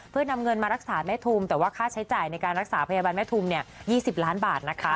เพื่อนำเงินมารักษาแม่ทุมแต่ว่าค่าใช้จ่ายในการรักษาพยาบาลแม่ทุม๒๐ล้านบาทนะคะ